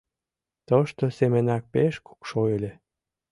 Тошто семынак пеш кукшо ыле.